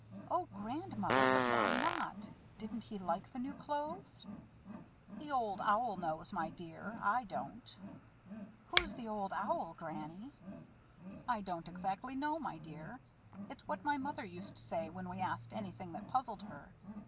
"O Grandmother! But why not? Didn't he like the new clothes?" "The Old Owl knows, my dear; I don't." "Who's the Old Owl, Granny?" "I don't exactly know, my dear. It's what my mother used to say when we asked anything that puzzled her.